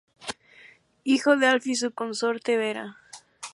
Hijo de Alf y su consorte Bera.